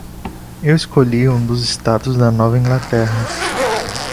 Eu escolhi um dos estados da Nova Inglaterra.